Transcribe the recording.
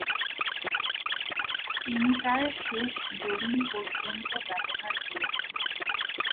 তিনি তার শেষ জবিন পর্যন্ত ব্যবহার করেছেন।